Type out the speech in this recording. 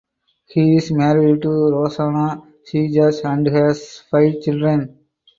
He is married to Rosana Cejas and has five children.